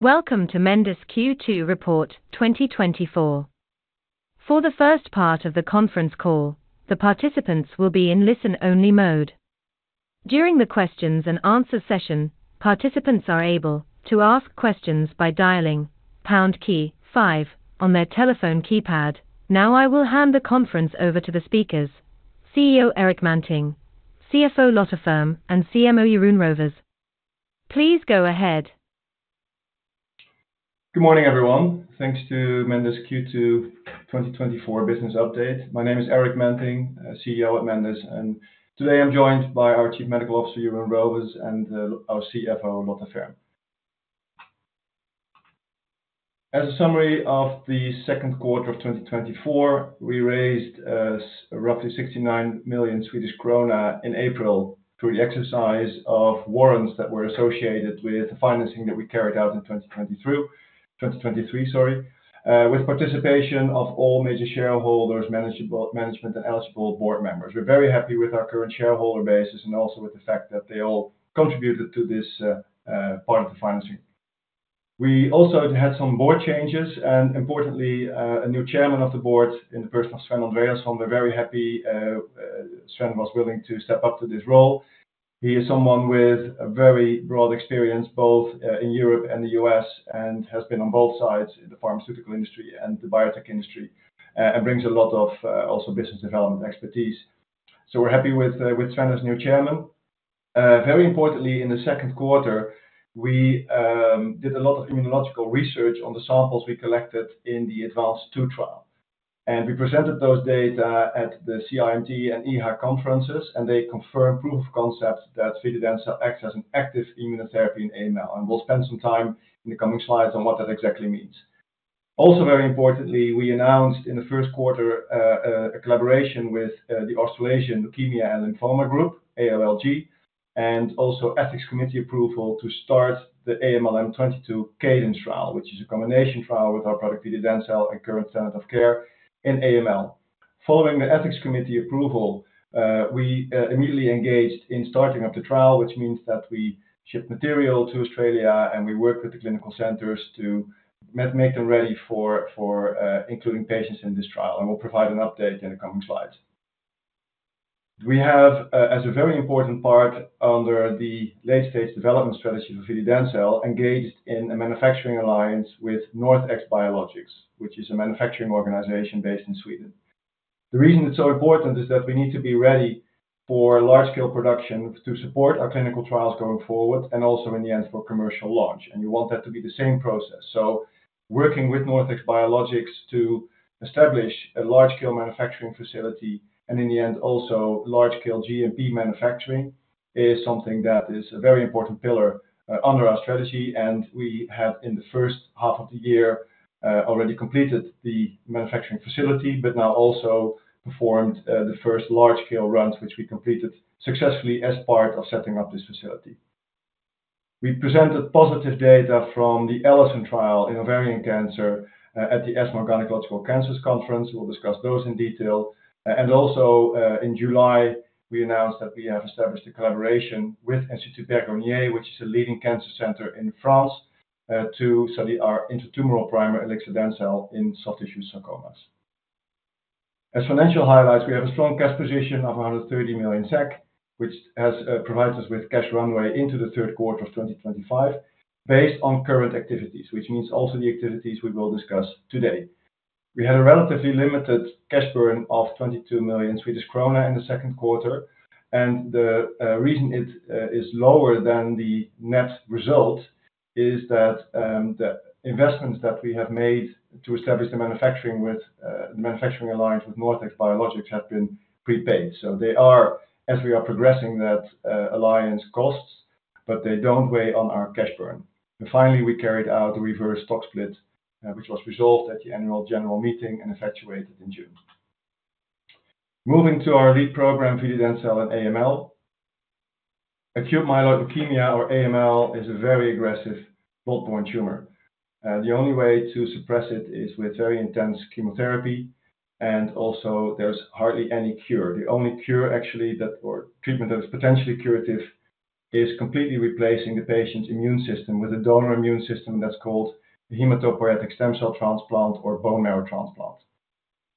Welcome to Mendus Q2 Report 2024. For the first part of the conference call, the participants will be in listen-only mode. During the questions and answer session, participants are able to ask questions by dialing pound key five on their telephone keypad. Now, I will hand the conference over to the speakers, CEO Erik Manting, CFO Lotta Ferm, and CMO Jeroen Rovers. Please go ahead. Good morning, everyone. Welcome to the Mendus Q2 2024 business update. My name is Erik Manting, CEO at Mendus, and today I'm joined by our Chief Medical Officer, Jeroen Rovers, and our CFO, Lotta Ferm. As a summary of the second quarter of 2024, we raised roughly 69 million Swedish krona in April through the exercise of warrants that were associated with the financing that we carried out in 2023 with participation of all major shareholders, management, and eligible board members. We're very happy with our current shareholder base and also with the fact that they all contributed to this part of the financing. We also had some board changes and importantly, a new chairman of the board in the person of Sven Andréasson. We're very happy Sven was willing to step up to this role. He is someone with a very broad experience, both in Europe and the U.S., and has been on both sides in the pharmaceutical industry and the biotech industry, and brings a lot of also business development expertise. So we're happy with Sven as new Chairman. Very importantly, in the second quarter, we did a lot of immunological research on the samples we collected in the ADVANCE II trial, and we presented those data at the CIMT and EHA conferences, and they confirmed proof of concept that vididencel acts as an active immunotherapy in AML, and we'll spend some time in the coming slides on what that exactly means. Also, very importantly, we announced in the first quarter a collaboration with the Australasian Leukaemia and Lymphoma Group, ALLG, and also Ethics Committee approval to start the AMLM22 CADENCE trial, which is a combination trial with our product, vididencel, and current standard of care in AML. Following the Ethics Committee approval, we immediately engaged in starting up the trial, which means that we ship material to Australia, and we work with the clinical centers to make them ready for including patients in this trial, and we'll provide an update in the coming slides. We have, as a very important part under the late-stage development strategy for vididencel, engaged in a manufacturing alliance with NorthX Biologics, which is a manufacturing organization based in Sweden. The reason it's so important is that we need to be ready for large-scale production to support our clinical trials going forward, and also in the end, for commercial launch, and you want that to be the same process, so working with NorthX Biologics to establish a large-scale manufacturing facility, and in the end, also large-scale GMP manufacturing, is something that is a very important pillar under our strategy. And we have, in the first half of the year, already completed the manufacturing facility, but now also performed the first large-scale runs, which we completed successfully as part of setting up this facility. We presented positive data from the ALLISON trial in ovarian cancer at the ESMO Gynaecological Cancers conference. We'll discuss those in detail. And also, in July, we announced that we have established a collaboration with Institut Bergonié, which is a leading cancer center in France, to study our intratumoral primer, ilixadencel, in soft tissue sarcomas. As financial highlights, we have a strong cash position of 130 million SEK, which provides us with cash runway into the third quarter of 2025, based on current activities, which means also the activities we will discuss today. We had a relatively limited cash burn of 22 million Swedish krona in the second quarter, and the reason it is lower than the net result is that, the investments that we have made to establish the manufacturing with the manufacturing alliance with NorthX Biologics have been prepaid. So they are, as we are progressing that alliance, costs, but they don't weigh on our cash burn. Finally, we carried out a reverse stock split, which was resolved at the annual general meeting and effectuated in June. Moving to our lead program, vididencel in AML. Acute myeloid leukemia or AML is a very aggressive blood-borne tumor. The only way to suppress it is with very intense chemotherapy, and also there's hardly any cure. The only cure actually that... or treatment that is potentially curative is completely replacing the patient's immune system with a donor immune system that's called the hematopoietic stem cell transplant or bone marrow transplant.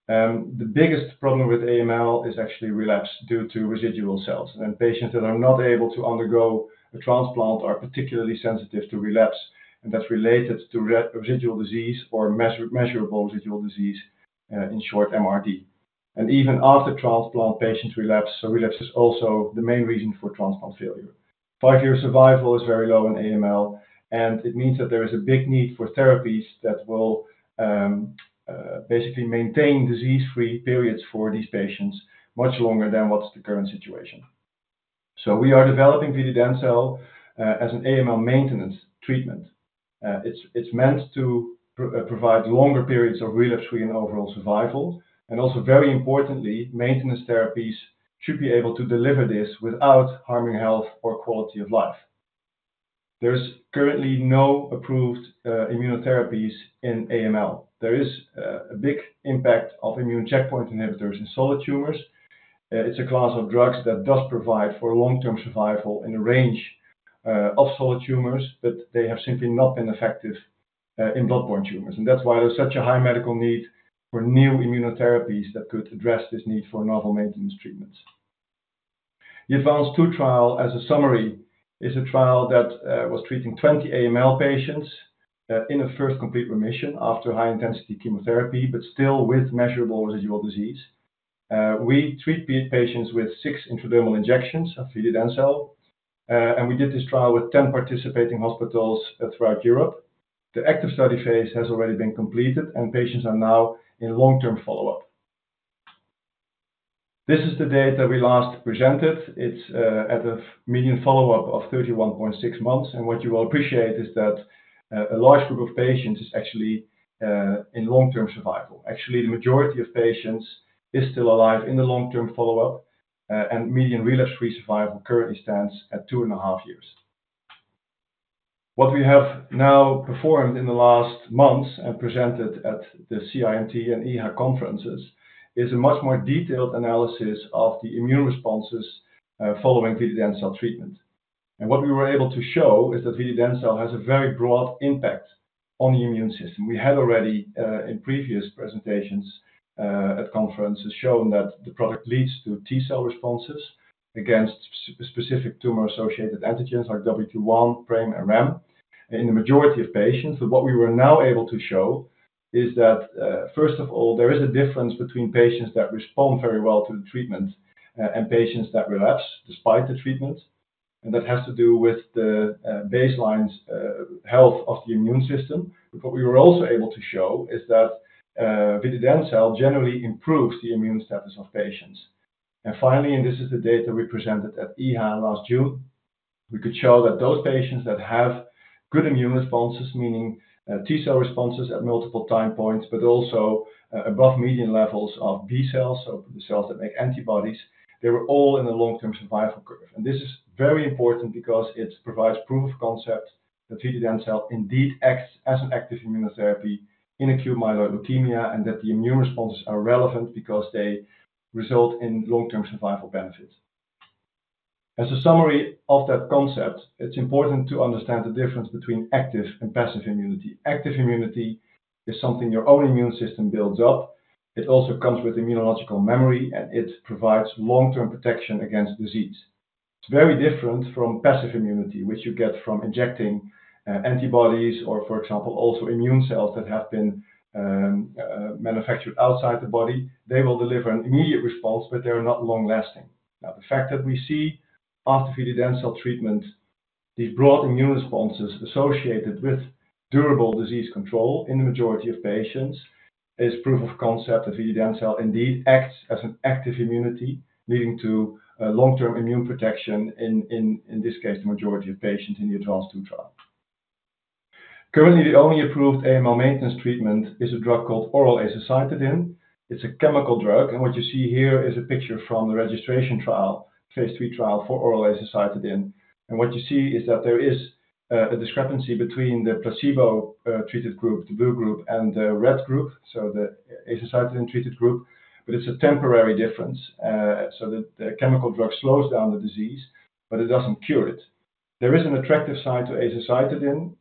The biggest problem with AML is actually relapse due to residual cells, and patients that are not able to undergo a transplant are particularly sensitive to relapse, and that's related to residual disease or measurable residual disease, in short, MRD. Even after transplant, patients relapse, so relapse is also the main reason for transplant failure. Five-year survival is very low in AML, and it means that there is a big need for therapies that will basically maintain disease-free periods for these patients much longer than what's the current situation. We are developing vididencel as an AML maintenance treatment. It's meant to provide longer periods of relapse-free and overall survival, and also very importantly, maintenance therapies should be able to deliver this without harming health or quality of life. There's currently no approved immunotherapies in AML. There is a big impact of immune checkpoint inhibitors in solid tumors. It's a class of drugs that does provide for long-term survival in a range of solid tumors, but they have simply not been effective in bloodborne tumors. That's why there's such a high medical need for new immunotherapies that could address this need for novel maintenance treatments. The ADVANCE II trial, as a summary, is a trial that was treating 20 AML patients in a first complete remission after high intensity chemotherapy, but still with measurable residual disease. We treat these patients with 6 intradermal injections of vididencel, and we did this trial with 10 participating hospitals throughout Europe. The active study phase has already been completed, and patients are now in long-term follow-up. This is the data we last presented. It's at a median follow-up of 31.6 months, and what you will appreciate is that a large group of patients is actually in long-term survival. Actually, the majority of patients is still alive in the long-term follow-up, and median relapse-free survival currently stands at two and a half years. What we have now performed in the last months and presented at the CIMT and EHA conferences is a much more detailed analysis of the immune responses following vididencel treatment. What we were able to show is that vididencel has a very broad impact on the immune system. We had already in previous presentations at conferences shown that the product leads to T cell responses against specific tumor-associated antigens like WT1, PRAME, and RHAMM in the majority of patients. But what we were now able to show is that, first of all, there is a difference between patients that respond very well to the treatment, and patients that relapse despite the treatment, and that has to do with the baseline health of the immune system. But what we were also able to show is that vididencel generally improves the immune status of patients. And finally, and this is the data we presented at EHA last June, we could show that those patients that have good immune responses, meaning T cell responses at multiple time points, but also above median levels of B cells, so the cells that make antibodies, they were all in a long-term survival curve. This is very important because it provides proof of concept that vididencel indeed acts as an active immunotherapy in acute myeloid leukemia, and that the immune responses are relevant because they result in long-term survival benefits. As a summary of that concept, it's important to understand the difference between active and passive immunity. Active immunity is something your own immune system builds up. It also comes with immunological memory, and it provides long-term protection against disease. It's very different from passive immunity, which you get from injecting antibodies or, for example, also immune cells that have been manufactured outside the body. They will deliver an immediate response, but they are not long-lasting. Now, the fact that we see after vididencel treatment, these broad immune responses associated with durable disease control in the majority of patients, is proof of concept that vididencel indeed acts as an active immunity, leading to long-term immune protection in this case, the majority of patients in the ADVANCE II trial. Currently, the only approved AML maintenance treatment is a drug called oral azacitidine. It's a chemical drug, and what you see here is a picture from the registration trial, phase II trial for oral azacitidine. And what you see is that there is a discrepancy between the placebo treated group, the blue group, and the red group, so the azacitidine-treated group, but it's a temporary difference. So the chemical drug slows down the disease, but it doesn't cure it. There is an attractive side to azacitidine,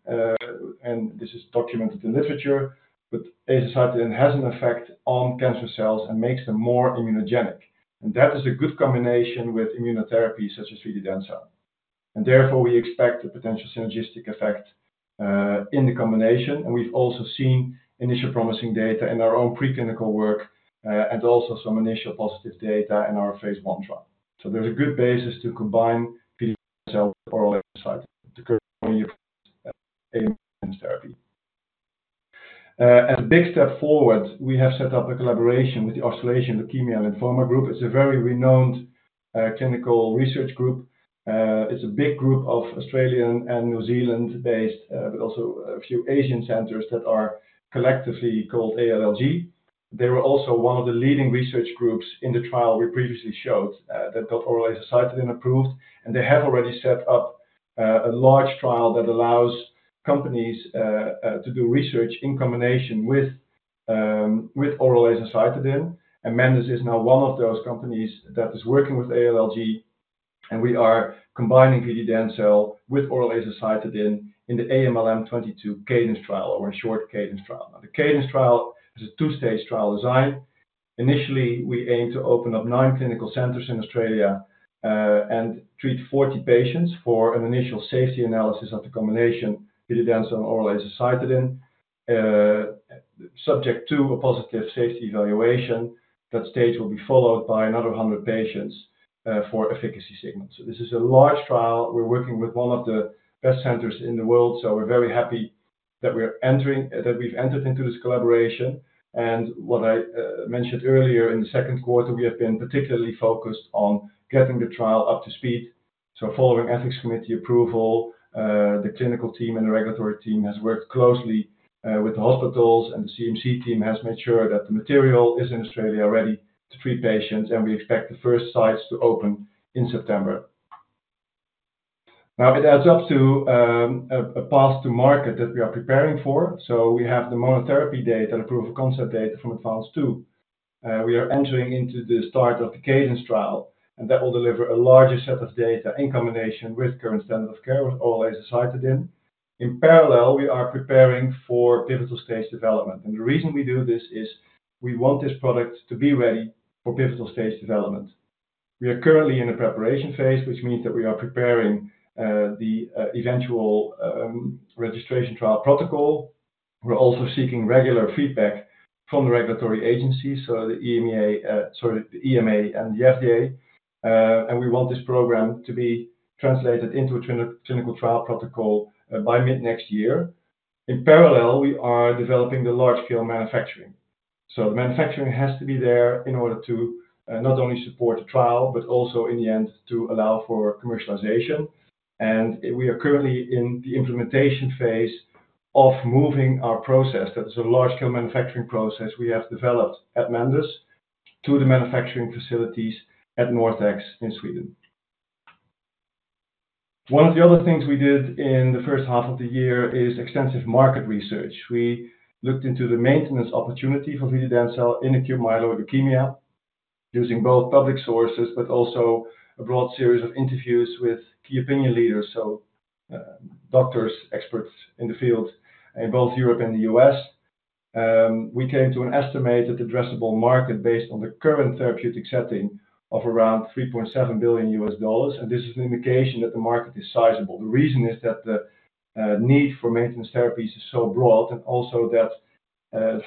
and this is documented in literature, but azacitidine has an effect on cancer cells and makes them more immunogenic, and that is a good combination with immunotherapy, such as vididencel, and therefore, we expect a potential synergistic effect in the combination, and we've also seen initial promising data in our own preclinical work, and also some initial positive data in our phase I trial, so there's a good basis to combine vididencel with oral azacitidine to currently improve AML therapy. As a big step forward, we have set up a collaboration with the Australasian Leukaemia and Lymphoma Group. It's a very renowned clinical research group. It's a big group of Australian and New Zealand-based, but also a few Asian centers that are collectively called ALLG. They were also one of the leading research groups in the trial we previously showed, that got oral azacitidine approved, and they have already set up a large trial that allows companies to do research in combination with oral azacitidine, and Mendus is now one of those companies that is working with ALLG, and we are combining vididencel with oral azacitidine in the AMLM22 CADENCE trial, or in short, CADENCE trial. Now, the CADENCE trial is a two-stage trial design. Initially, we aim to open up nine clinical centers in Australia, and treat 40 patients for an initial safety analysis of the combination, vididencel and oral azacitidine. Subject to a positive safety evaluation, that stage will be followed by another 100 patients for efficacy segments. This is a large trial. We're working with one of the best centers in the world, so we're very happy that we've entered into this collaboration. What I mentioned earlier, in the second quarter, we have been particularly focused on getting the trial up to speed. Following ethics committee approval, the clinical team and the regulatory team has worked closely with the hospitals, and the CMC team has made sure that the material is in Australia, ready to treat patients, and we expect the first sites to open in September. Now, it adds up to a path to market that we are preparing for. We have the monotherapy data, the proof-of-concept data from ADVANCE II. We are entering into the start of the CADENCE trial, and that will deliver a larger set of data in combination with current standard of care, with oral azacitidine. In parallel, we are preparing for pivotal stage development, and the reason we do this is we want this product to be ready for pivotal stage development. We are currently in a preparation phase, which means that we are preparing the eventual registration trial protocol. We're also seeking regular feedback from the regulatory agencies, so the EMA and the FDA, and we want this program to be translated into a clinical trial protocol by mid-next year. In parallel, we are developing the large-scale manufacturing. So the manufacturing has to be there in order to not only support the trial, but also in the end, to allow for commercialization. We are currently in the implementation phase of moving our process. That's a large-scale manufacturing process we have developed at Mendus, to the manufacturing facilities at NorthX in Sweden. One of the other things we did in the first half of the year is extensive market research. We looked into the maintenance opportunity for vididencel in acute myeloid leukemia, using both public sources, but also a broad series of interviews with key opinion leaders, so doctors, experts in the field in both Europe and the US. We came to an estimated addressable market based on the current therapeutic setting of around $3.7 billion, and this is an indication that the market is sizable. The reason is that the need for maintenance therapies is so broad, and also that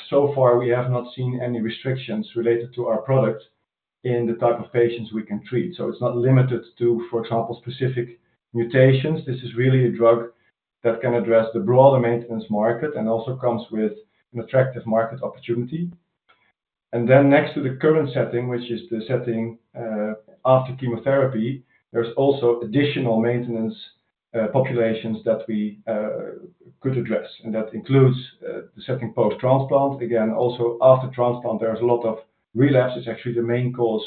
so far, we have not seen any restrictions related to our product in the type of patients we can treat. So it's not limited to, for example, specific mutations. This is really a drug that can address the broader maintenance market and also comes with an attractive market opportunity, and then next to the current setting, which is the setting after chemotherapy, there's also additional maintenance populations that we could address, and that includes the setting post-transplant. Again, also after transplant, there is a lot of relapse, it's actually the main cause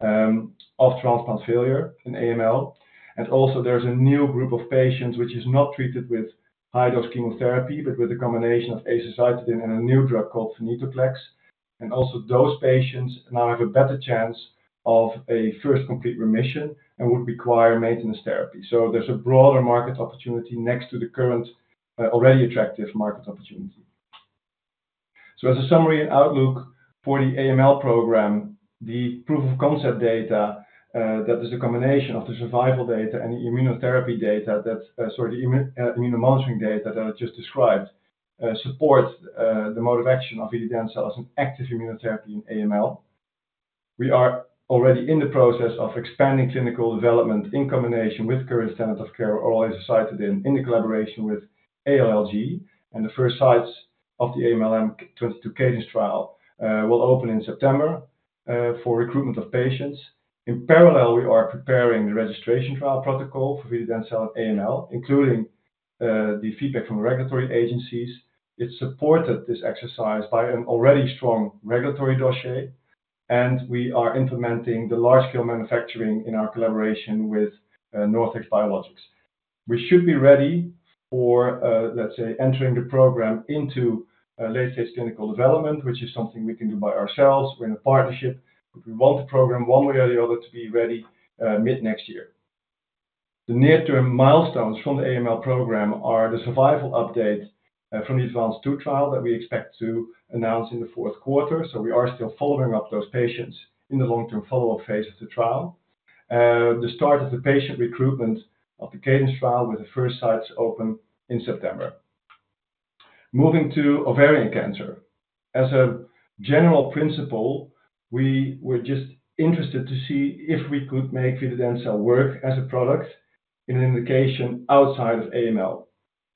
of transplant failure in AML. And also there's a new group of patients which is not treated with high-dose chemotherapy, but with a combination of azacitidine and a new drug called venetoclax. And also those patients now have a better chance of a first complete remission and would require maintenance therapy. So there's a broader market opportunity next to the current, already attractive market opportunity. So as a summary and outlook for the AML program, the proof-of-concept data, that is a combination of the survival data and the immunomonitoring data that I just described, supports the mode of action of vididencel as an active immunotherapy in AML. We are already in the process of expanding clinical development in combination with current standard of care, oral azacitidine, in the collaboration with ALLG, and the first sites of the AMLM22 CADENCE trial will open in September for recruitment of patients. In parallel, we are preparing the registration trial protocol for vididencel and AML, including the feedback from regulatory agencies. It's supported this exercise by an already strong regulatory dossier, and we are implementing the large-scale manufacturing in our collaboration with NorthX Biologics. We should be ready for, let's say, entering the program into late-stage clinical development, which is something we can do by ourselves. We're in a partnership, but we want the program one way or the other, to be ready mid-next year. The near-term milestones from the AML program are the survival update from the ADVANCE II trial that we expect to announce in the fourth quarter, so we are still following up those patients in the long-term follow-up phase of the trial. The start of the patient recruitment of the CADENCE trial, with the first sites open in September. Moving to ovarian cancer. As a general principle, we were just interested to see if we could make ilixadencel work as a product in an indication outside of AML,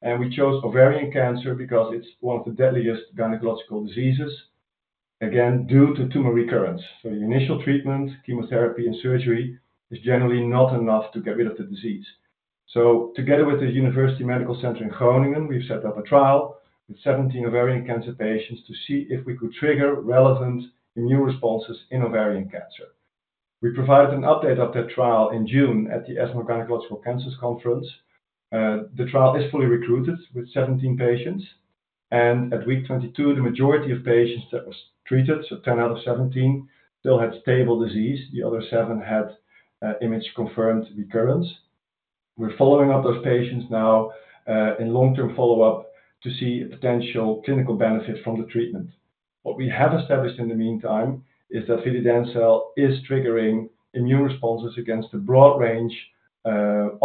and we chose ovarian cancer because it's one of the deadliest gynecological diseases, again, due to tumor recurrence, so the initial treatment, chemotherapy and surgery, is generally not enough to get rid of the disease, so together with the University Medical Center in Groningen, we've set up a trial with 17 ovarian cancer patients to see if we could trigger relevant immune responses in ovarian cancer. We provided an update of that trial in June at the ESMO Gynaecological Cancers conference. The trial is fully recruited with 17 patients, and at week 22, the majority of patients that was treated, so 10 out of 17, still had stable disease. The other seven had image-confirmed recurrence. We're following up those patients now in long-term follow-up, to see a potential clinical benefit from the treatment. What we have established in the meantime is that vididencel is triggering immune responses against a broad range of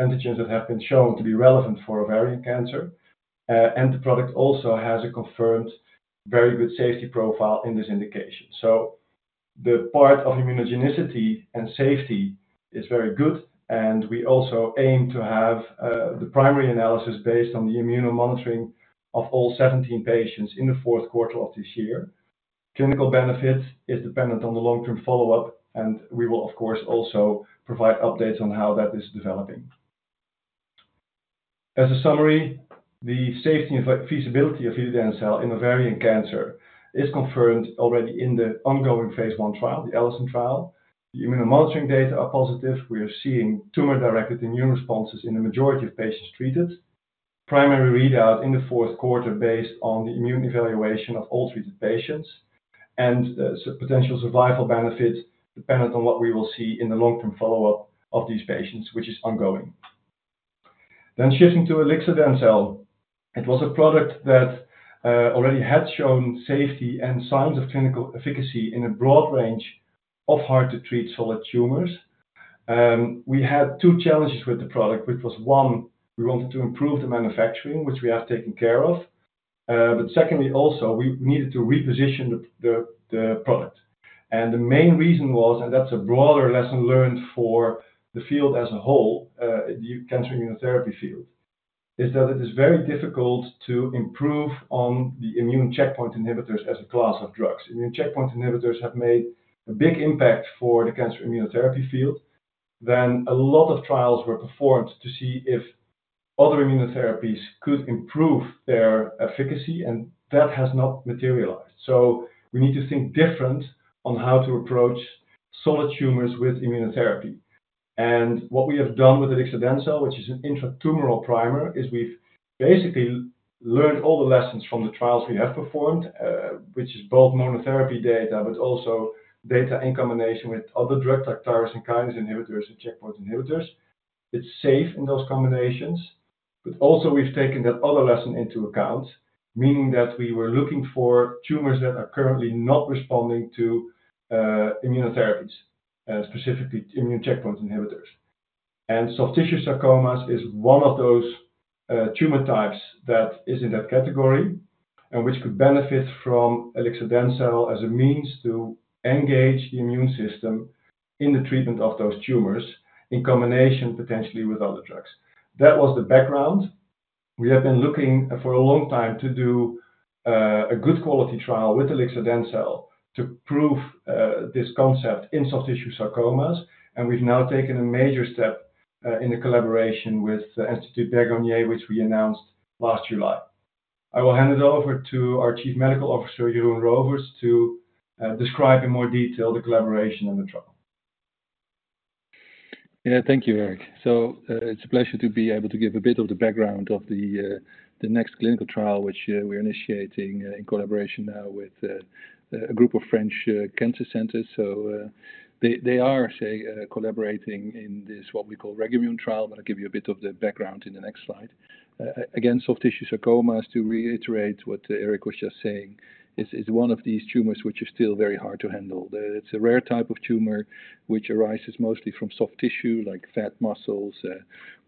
antigens that have been shown to be relevant for ovarian cancer. And the product also has a confirmed very good safety profile in this indication. So the part of immunogenicity and safety is very good, and we also aim to have the primary analysis based on the immunomonitoring of all 17 patients in the fourth quarter of this year. Clinical benefit is dependent on the long-term follow-up, and we will, of course, also provide updates on how that is developing. As a summary, the safety and feasibility of ilixadencel in ovarian cancer is confirmed already in the ongoing phase I trial, the ALLISON trial. The immunomonitoring data are positive. We are seeing tumor-directed immune responses in the majority of patients treated. Primary readout in the fourth quarter based on the immune evaluation of all treated patients, and so potential survival benefit, dependent on what we will see in the long-term follow-up of these patients, which is ongoing. Then shifting to ilixadencel. It was a product that already had shown safety and signs of clinical efficacy in a broad range of hard to treat solid tumors. We had two challenges with the product, which was, one, we wanted to improve the manufacturing, which we have taken care of, but secondly, also, we needed to reposition the product. The main reason was, and that's a broader lesson learned for the field as a whole, the cancer immunotherapy field, is that it is very difficult to improve on the immune checkpoint inhibitors as a class of drugs. Immune checkpoint inhibitors have made a big impact for the cancer immunotherapy field. Then a lot of trials were performed to see if other immunotherapies could improve their efficacy, and that has not materialized. So we need to think different on how to approach solid tumors with immunotherapy. And what we have done with ilixadencel, which is an intratumoral primer, is we've basically learned all the lessons from the trials we have performed, which is both monotherapy data, but also data in combination with other drugs like tyrosine kinase inhibitors and checkpoint inhibitors. It's safe in those combinations, but also we've taken that other lesson into account, meaning that we were looking for tumors that are currently not responding to immunotherapies, specifically immune checkpoint inhibitors, and soft tissue sarcomas is one of those tumor types that is in that category and which could benefit from ilixadencel as a means to engage the immune system in the treatment of those tumors, in combination, potentially with other drugs. That was the background. We have been looking for a long time to do a good quality trial with ilixadencel to prove this concept in soft tissue sarcomas, and we've now taken a major step in the collaboration with the Institut Bergonié, which we announced last July. I will hand it over to our Chief Medical Officer, Jeroen Rovers, to describe in more detail the collaboration and the trial. Yeah, thank you, Erik. It's a pleasure to be able to give a bit of the background of the next clinical trial, which we're initiating in collaboration now with a group of French cancer centers. They are collaborating in this, what we call REGOMUNE trial, but I'll give you a bit of the background in the next slide. Again, soft tissue sarcomas, to reiterate what Erik was just saying, is one of these tumors which is still very hard to handle. It's a rare type of tumor which arises mostly from soft tissue like fat, muscles,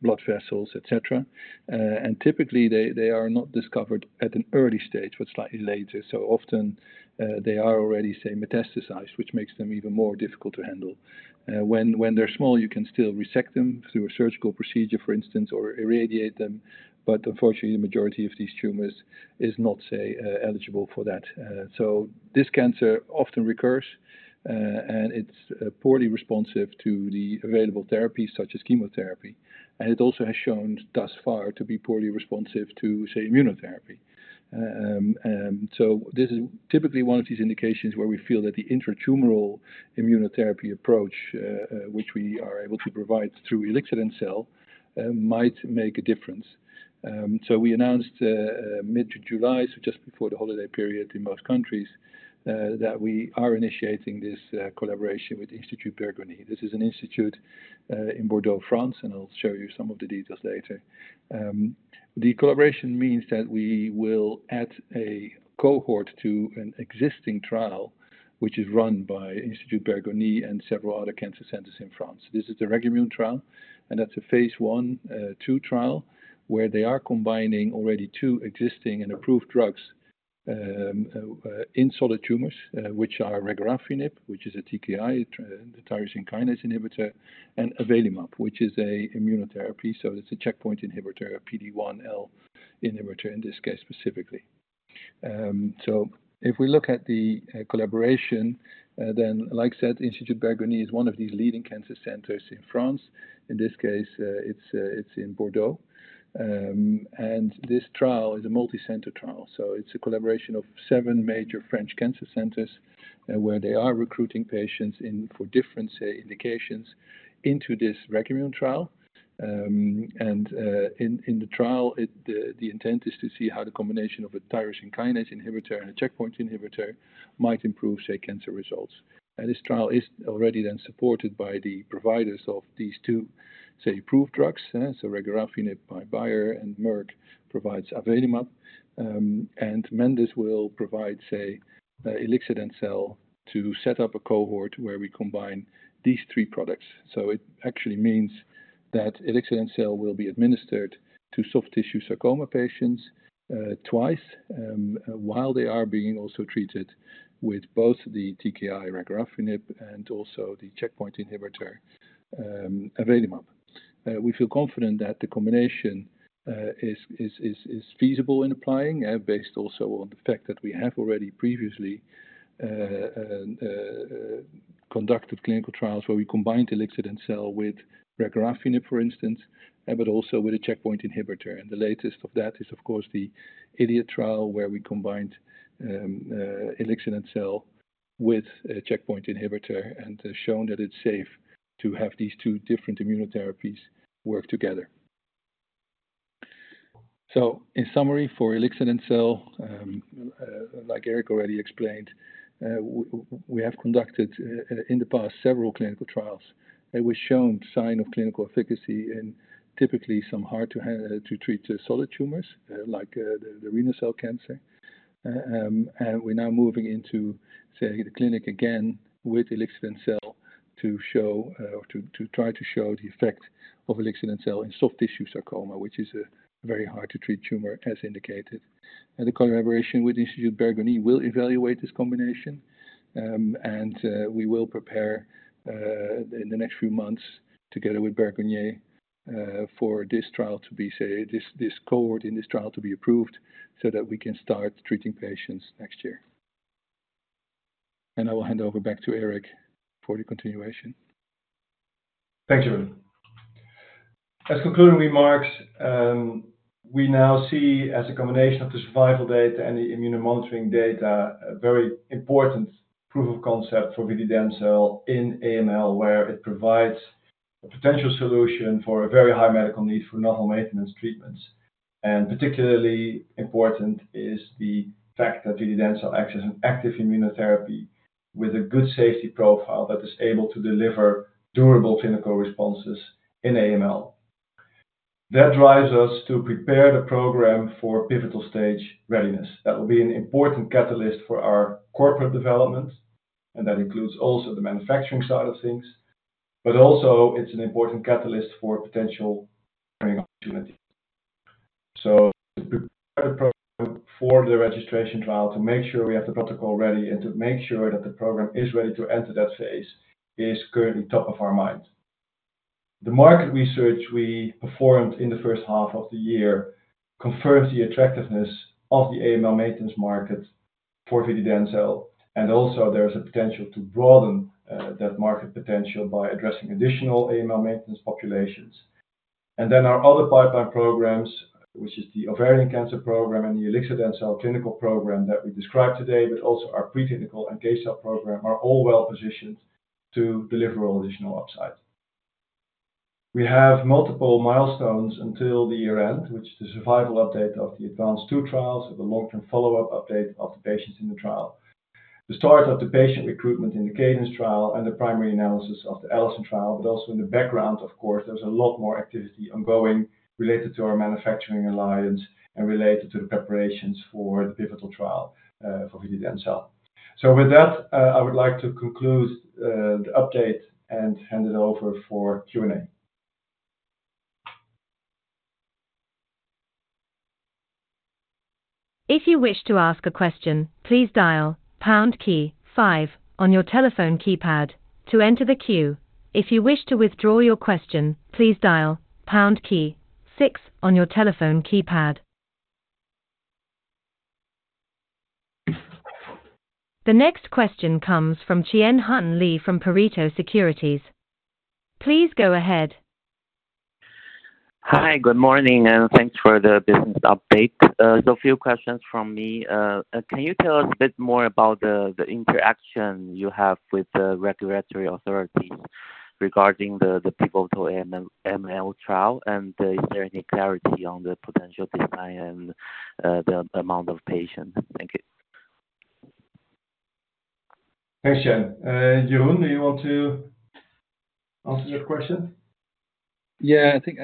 blood vessels, et cetera. And typically, they are not discovered at an early stage, but slightly later. Often, they are already metastasized, which makes them even more difficult to handle. When they're small, you can still resect them through a surgical procedure, for instance, or irradiate them, but unfortunately, the majority of these tumors is not, say, eligible for that. This cancer often recurs, and it's poorly responsive to the available therapies such as chemotherapy. It also has shown, thus far, to be poorly responsive to, say, immunotherapy. This is typically one of these indications where we feel that the intratumoral immunotherapy approach, which we are able to provide through ilixadencel, might make a difference. We announced mid-July, so just before the holiday period in most countries, that we are initiating this collaboration with Institut Bergonié. This is an institute in Bordeaux, France, and I'll show you some of the details later. The collaboration means that we will add a cohort to an existing trial, which is run by Institut Bergonié and several other cancer centers in France. This is the REGOMUNE trial, and that's a phase I, II trial, where they are combining already two existing and approved drugs, in solid tumors, which are regorafenib, which is a TKI, the tyrosine kinase inhibitor, and avelumab, which is a immunotherapy, so it's a checkpoint inhibitor, a PD-L1 inhibitor, in this case specifically. So if we look at the, collaboration, then, like I said, Institut Bergonié is one of the leading cancer centers in France. In this case, it's in Bordeaux. This trial is a multi-center trial, so it's a collaboration of seven major French cancer centers, where they are recruiting patients for different, say, indications into this REGOMUNE trial. In the trial, the intent is to see how the combination of a tyrosine kinase inhibitor and a checkpoint inhibitor might improve, say, cancer results. This trial is already supported by the providers of these two, say, approved drugs. Regorafenib by Bayer and Merck provides avelumab, and Mendus will provide, say, ilixadencel, to set up a cohort where we combine these three products. It actually means that ilixadencel will be administered to soft tissue sarcoma patients twice, while they are being also treated with both the TKI, regorafenib, and also the checkpoint inhibitor, avelumab. We feel confident that the combination is feasible in applying, and based also on the fact that we have already previously conducted clinical trials where we combined ilixadencel with regorafenib, for instance, but also with a checkpoint inhibitor, and the latest of that is, of course, the ILIAD trial, where we combined ilixadencel with a checkpoint inhibitor and has shown that it's safe to have these two different immunotherapies work together, so in summary, for ilixadencel, like Erik already explained, we have conducted in the past several clinical trials. They were shown sign of clinical efficacy in typically some hard to handle, to treat solid tumors, like the renal cell cancer. And we're now moving into the clinic again with ilixadencel to show, or to try to show the effect of ilixadencel in soft tissue sarcoma, which is a very hard to treat tumor, as indicated. And the collaboration with Institut Bergonié will evaluate this combination. And we will prepare, in the next few months, together with Bergonié, for this cohort in this trial to be approved so that we can start treating patients next year. And I will hand over back to Erik for the continuation. Thanks, Jeroen. As concluding remarks, we now see, as a combination of the survival data and the immunomonitoring data, a very important proof of concept for vididencel in AML, where it provides a potential solution for a very high medical need for normal maintenance treatments, and particularly important is the fact that vididencel acts as an active immunotherapy with a good safety profile that is able to deliver durable clinical responses in AML. That drives us to prepare the program for pivotal stage readiness. That will be an important catalyst for our corporate development, and that includes also the manufacturing side of things, but also it's an important catalyst for potential opportunities, so for the registration trial, to make sure we have the protocol ready and to make sure that the program is ready to enter that phase, is currently top of our mind. The market research we performed in the first half of the year confirms the attractiveness of the AML maintenance market for vididencel, and also there is a potential to broaden that market potential by addressing additional AML maintenance populations. Our other pipeline programs, which is the ovarian cancer program and the ilixadencel clinical program that we described today, but also our preclinical and NK-cell program, are all well-positioned to deliver all additional upside. We have multiple milestones until the year-end, which is the survival update of the ADVANCE II trial with the long-term follow-up update of the patients in the trial. The start of the patient recruitment in the CADENCE trial and the primary analysis of the ALLISON trial, but also in the background, of course, there's a lot more activity ongoing related to our manufacturing alliance and related to the preparations for the pivotal trial, for vididencel. So with that, I would like to conclude the update and hand it over for Q&A. If you wish to ask a question, please dial pound key five on your telephone keypad to enter the queue. If you wish to withdraw your question, please dial pound key six on your telephone keypad. The next question comes from Chien-Hsun Lee from Pareto Securities. Please go ahead. Hi, good morning, and thanks for the business update. So a few questions from me. Can you tell us a bit more about the interaction you have with the regulatory authorities regarding the pivotal AML trial? And, is there any clarity on the potential timeline, the amount of patients? Thank you. Thanks, Chien. Jeroen, do you want to answer that question? Yeah, I think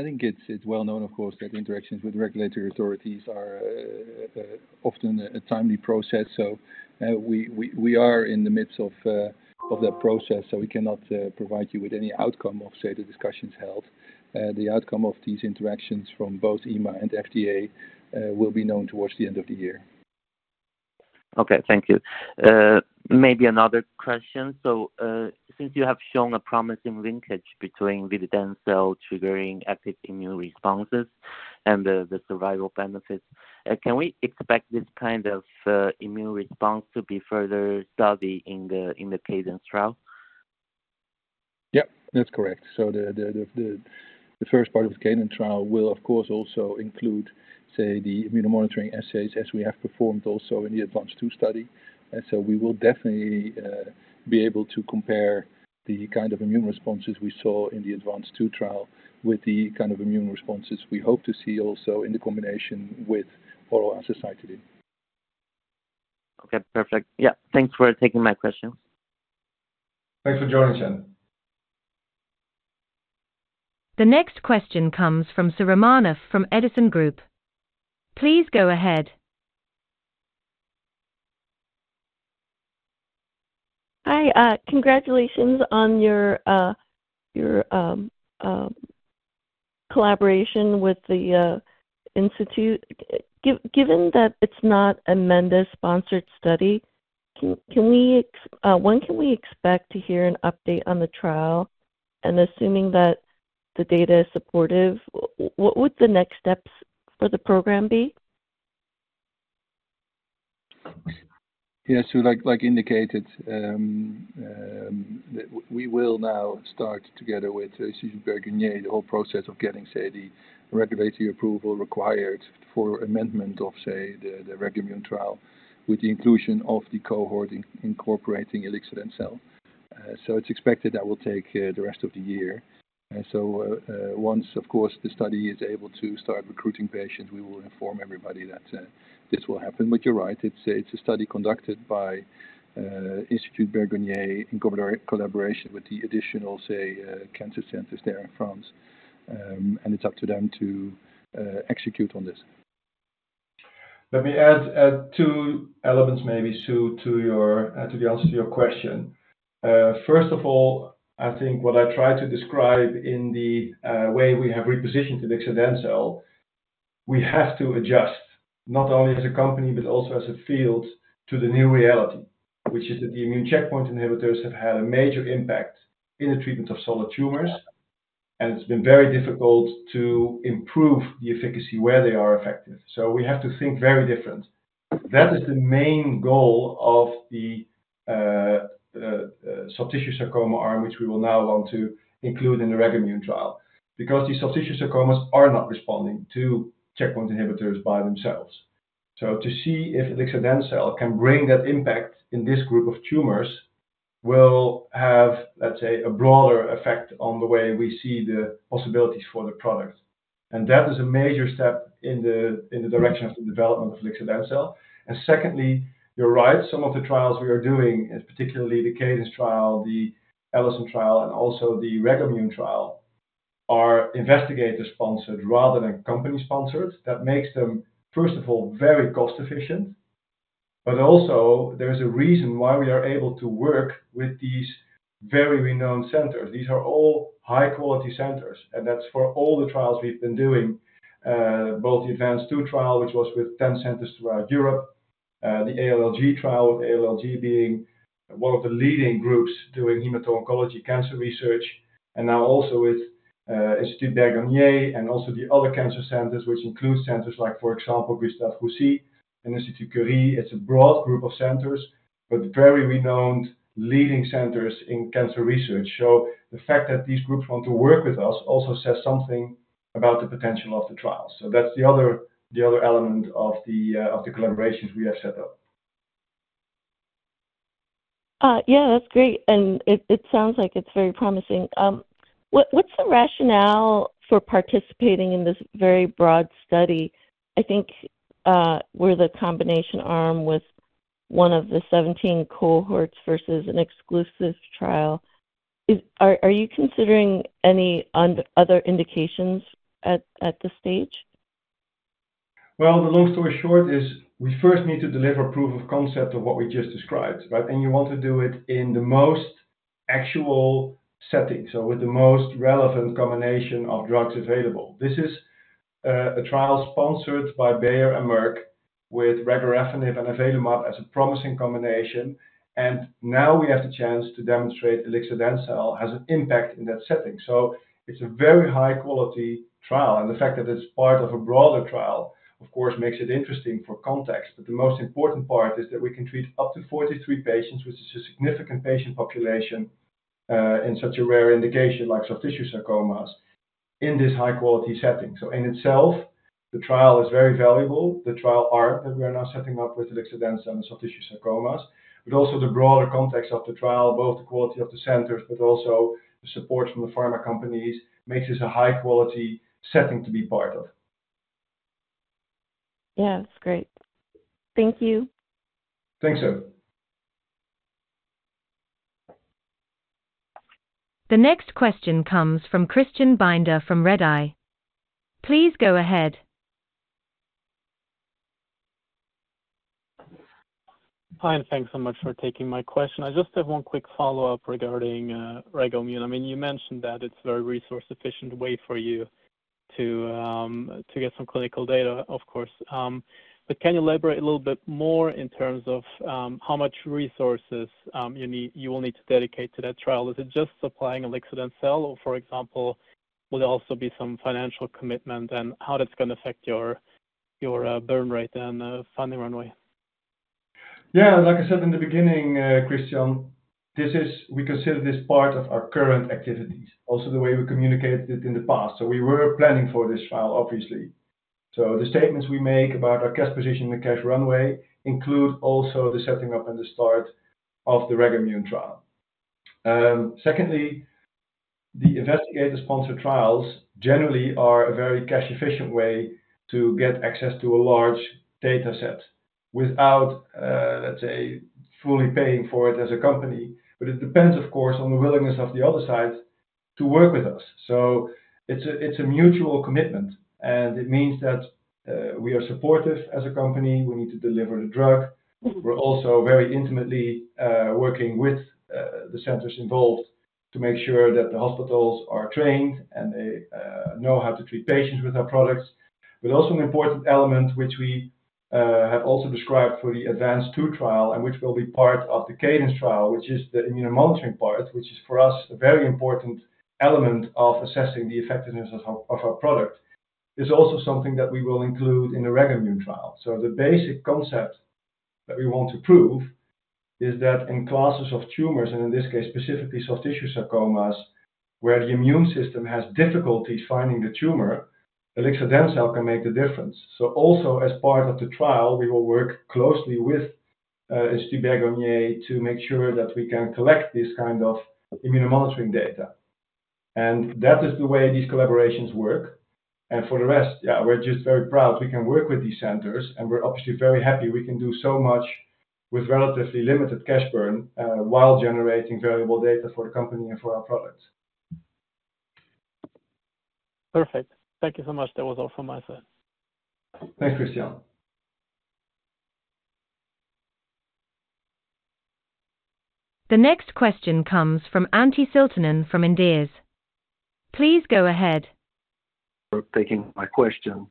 it's well known, of course, that interactions with regulatory authorities are often a time-consuming process, so we are in the midst of that process, so we cannot provide you with any outcome of, say, the discussions held. The outcome of these interactions from both EMA and FDA will be known towards the end of the year. Okay. Thank you. Maybe another question. So, since you have shown a promising linkage between vididencel triggering active immune responses and the survival benefits, can we expect this kind of immune response to be further studied in the CADENCE trial? Yep, that's correct. So the first part of the CADENCE trial will of course also include, say, the immunomonitoring assays as we have performed also in the ADVANCE II study. And so we will definitely be able to compare the kind of immune responses we saw in the ADVANCE II trial with the kind of immune responses we hope to see also in the combination with oral azacitidine. Okay, perfect. Yeah. Thanks for taking my questions. Thanks for joining us, Chien. The next question comes from Soo Romanoff from Edison Group. Please go ahead. Hi, congratulations on your collaboration with the institute. Given that it's not a Mendus-sponsored study. When can we expect to hear an update on the trial? And assuming that the data is supportive, what would the next steps for the program be? Yeah, so like indicated, we will now start together with Institut Bergonié the whole process of getting, say, the regulatory approval required for amendment of, say, the REGOMUNE trial, with the inclusion of the cohort incorporating ilixadencel. So it's expected that will take the rest of the year. And so once, of course, the study is able to start recruiting patients, we will inform everybody that this will happen. But you're right, it's a study conducted by Institut Bergonié in collaboration with the additional, say, cancer centers there in France. And it's up to them to execute on this. Let me add two elements maybe Soo, to the answer to your question. First of all, I think what I tried to describe in the way we have repositioned ilixadencel, we have to adjust not only as a company, but also as a field to the new reality. Which is that the immune checkpoint inhibitors have had a major impact in the treatment of solid tumors, and it's been very difficult to improve the efficacy where they are effective, so we have to think very different. That is the main goal of the soft tissue sarcoma arm, which we will now want to include in the REGOMUNE trial. Because these soft tissue sarcomas are not responding to checkpoint inhibitors by themselves, so to see if ilixadencel can bring that impact in this group of tumors, will have, let's say, a broader effect on the way we see the possibilities for the product. And that is a major step in the direction of the development of ilixadencel. And secondly, you're right, some of the trials we are doing, and particularly the CADENCE trial, the ALLISON trial, and also the REGOMUNE trial, are investigator-sponsored rather than company-sponsored. That makes them, first of all, very cost efficient, but also there is a reason why we are able to work with these very renowned centers. These are all high quality centers, and that's for all the trials we've been doing, both the ADVANCE II trial, which was with ten centers throughout Europe. The ALLG trial, with ALLG being one of the leading groups doing hemato-oncology cancer research, and now also with Institut Bergonié and also the other cancer centers, which includes centers like, for example, Gustave Roussy and Institut Curie. It's a broad group of centers, but very renowned leading centers in cancer research. So the fact that these groups want to work with us also says something about the potential of the trial. So that's the other, the other element of the, of the collaborations we have set up. Yeah, that's great, and it sounds like it's very promising. What's the rationale for participating in this very broad study? I think, where the combination arm with one of the seventeen cohorts versus an exclusive trial. Are you considering any other indications at this stage? The long story short is, we first need to deliver proof of concept of what we just described, right? You want to do it in the most actual setting, so with the most relevant combination of drugs available. This is a trial sponsored by Bayer and Merck, with regorafenib and avelumab as a promising combination, and now we have the chance to demonstrate ilixadencel has an impact in that setting. It's a very high-quality trial, and the fact that it's part of a broader trial, of course, makes it interesting for context. The most important part is that we can treat up to 43 patients, which is a significant patient population in such a rare indication like soft tissue sarcomas, in this high-quality setting. In itself, the trial is very valuable. The trial arm that we are now setting up with ilixadencel and soft tissue sarcomas, but also the broader context of the trial, both the quality of the centers, but also the support from the pharma companies, makes this a high quality setting to be part of. Yeah, that's great. Thank you. Thanks, Soo. The next question comes from Christian Binder from Redeye. Please go ahead. Hi, and thanks so much for taking my question. I just have one quick follow-up regarding REGOMUNE. I mean, you mentioned that it's very resource-efficient way for you to get some clinical data, of course. But can you elaborate a little bit more in terms of how much resources you will need to dedicate to that trial? Is it just supplying ilixadencel, or, for example, will there also be some financial commitment, and how that's gonna affect your burn rate and funding runway? Yeah, like I said in the beginning, Christian, this is. We consider this part of our current activities, also the way we communicated it in the past. So we were planning for this trial, obviously. So the statements we make about our cash position and the cash runway include also the setting up and the start of the REGOMUNE trial. Secondly, the investigator-sponsored trials generally are a very cash-efficient way to get access to a large dataset without, let's say, fully paying for it as a company. But it depends, of course, on the willingness of the other side to work with us. So it's a mutual commitment, and it means that, we are supportive as a company. We need to deliver the drug. We're also very intimately working with the centers involved. to make sure that the hospitals are trained and they know how to treat patients with our products. But also an important element which we have also described for the ADVANCE II trial and which will be part of the CADENCE trial, which is the immunomonitoring part, which is for us a very important element of assessing the effectiveness of our product, is also something that we will include in the REGOMUNE trial. So the basic concept that we want to prove is that in classes of tumors, and in this case specifically soft tissue sarcomas, where the immune system has difficulties finding the tumor, ilixadencel can make the difference. So also as part of the trial, we will work closely with Institut Bergonié to make sure that we can collect this kind of immunomonitoring data. And that is the way these collaborations work. And for the rest, yeah, we're just very proud we can work with these centers, and we're obviously very happy we can do so much with relatively limited cash burn, while generating valuable data for the company and for our products. Perfect. Thank you so much. That was all from my side. Thanks, Christian. The next question comes from Antti Siltanen from Inderes. Please go ahead. For taking my question.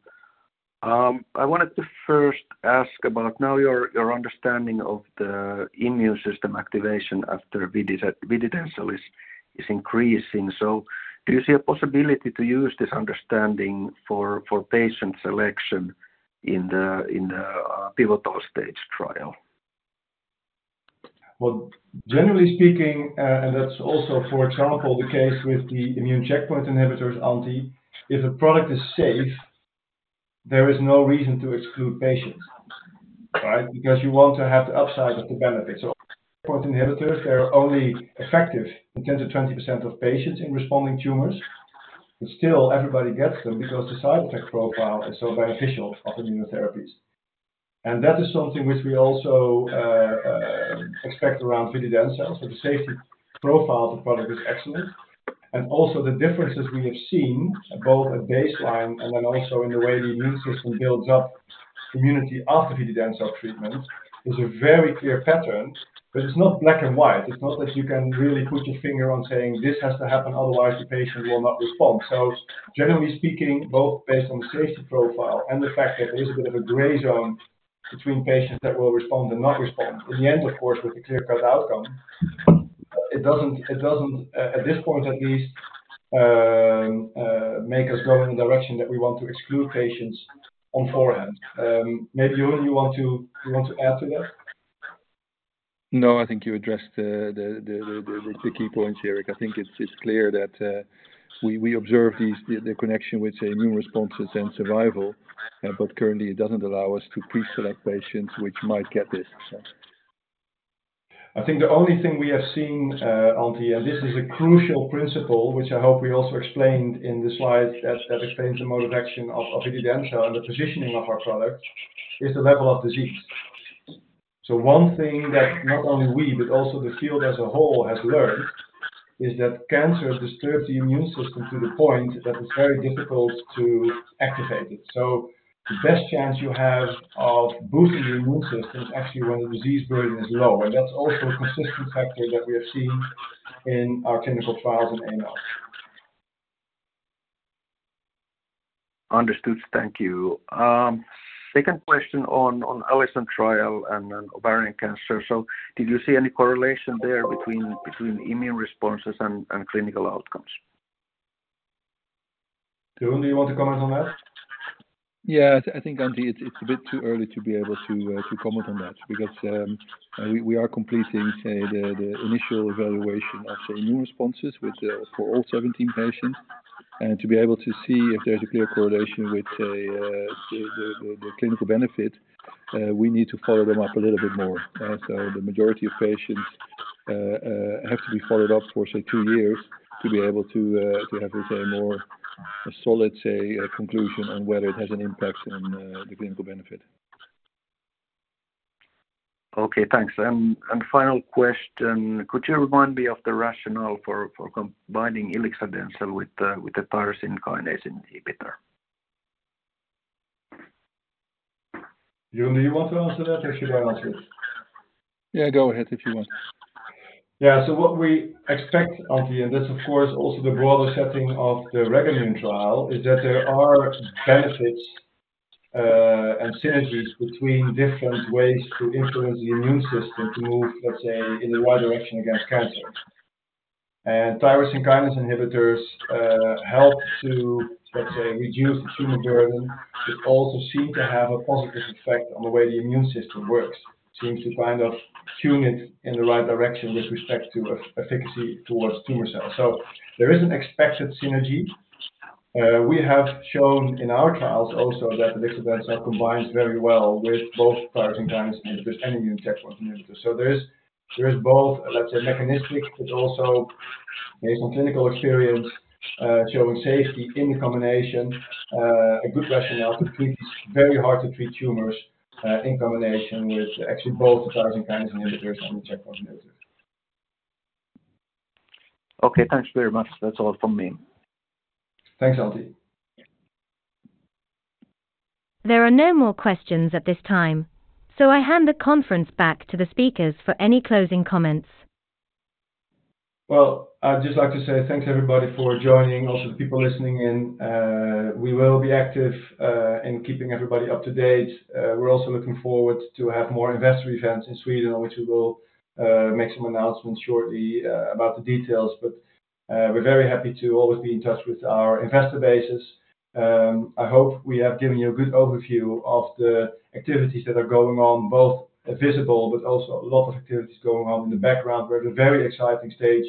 I wanted to first ask about now your understanding of the immune system activation after vididencel is increasing. So do you see a possibility to use this understanding for patient selection in the pivotal stage trial? Generally speaking, and that's also, for example, the case with the immune checkpoint inhibitors, Antti, if a product is safe, there is no reason to exclude patients, right? Because you want to have the upside of the benefits. So checkpoint inhibitors, they are only effective in 10%-20% of patients in responding tumors, but still everybody gets them because the side effect profile is so beneficial of immunotherapies. And that is something which we also expect around vididencel. So the safety profile of the product is excellent, and also the differences we have seen both at baseline and then also in the way the immune system builds up immunity after vididencel treatment, is a very clear pattern, but it's not black and white. It's not that you can really put your finger on saying, "This has to happen, otherwise the patient will not respond." So generally speaking, both based on the safety profile and the fact that there is a bit of a gray zone between patients that will respond and not respond, in the end, of course, with a clear-cut outcome, it doesn't at this point at least make us go in the direction that we want to exclude patients beforehand. Maybe, Jeroen, you want to add to that? No, I think you addressed the key points here, Erik. I think it's clear that we observe this connection with immune responses and survival, but currently it doesn't allow us to pre-select patients which might get this success. I think the only thing we have seen, Antti, and this is a crucial principle, which I hope we also explained in the slides, that explains the mode of action of vididencel and the positioning of our product, is the level of disease. So one thing that not only we, but also the field as a whole has learned, is that cancer disturbs the immune system to the point that it's very difficult to activate it. So the best chance you have of boosting the immune system is actually when the disease burden is low, and that's also a consistent factor that we have seen in our clinical trials in AML. Understood. Thank you. Second question on ALLISON trial and ovarian cancer. So did you see any correlation there between immune responses and clinical outcomes? Jeroen, do you want to comment on that? Yeah, I think, Antti, it's a bit too early to be able to to comment on that because we are completing, say, the initial evaluation of the immune responses with the... for all 17 patients. To be able to see if there's a clear correlation with the clinical benefit, we need to follow them up a little bit more. So the majority of patients have to be followed up for, say, two years, to be able to to have, let's say, a more solid, say, conclusion on whether it has an impact on the clinical benefit. Okay, thanks. And final question: could you remind me of the rationale for combining ilixadencel with the tyrosine kinase inhibitor? Jeroen, do you want to answer that, or should I answer it? Yeah, go ahead if you want. Yeah. So what we expect, Antti, and that's of course also the broader setting of the REGOMUNE trial, is that there are benefits and synergies between different ways to influence the immune system to move, let's say, in the right direction against cancer. And tyrosine kinase inhibitors help to, let's say, reduce the tumor burden, but also seem to have a positive effect on the way the immune system works. Seems to kind of tune it in the right direction with respect to efficacy towards tumor cells. So there is an expected synergy. We have shown in our trials also that ilixadencel combines very well with both tyrosine kinase inhibitors and immune checkpoint inhibitors. There is both, let's say, mechanistic, but also based on clinical experience, showing safety in combination, a good rationale to treat these very hard-to-treat tumors, in combination with actually both the tyrosine kinase inhibitors and the checkpoint inhibitors. Okay, thanks very much. That's all from me. Thanks, Antti. There are no more questions at this time, so I hand the conference back to the speakers for any closing comments. Well, I'd just like to say thanks, everybody, for joining. Also, the people listening in, we will be active in keeping everybody up to date. We're also looking forward to have more investor events in Sweden, which we will make some announcements shortly about the details. But, we're very happy to always be in touch with our investor bases. I hope we have given you a good overview of the activities that are going on, both visible, but also a lot of activities going on in the background. We're at a very exciting stage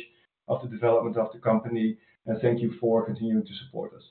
of the development of the company, and thank you for continuing to support us.